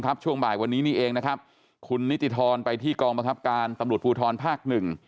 การตำรวจภูทรภาค๑